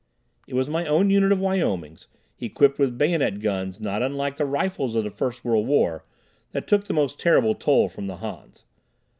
It was my own unit of Wyomings, equipped with bayonet guns not unlike the rifles of the First World War, that took the most terrible toll from the Hans.